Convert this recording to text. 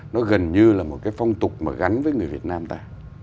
nó gần như là một cái phong tục mà gắn với người việt nam ta